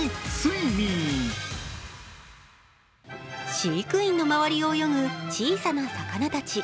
飼育員の周りを泳ぐ小さな魚たち。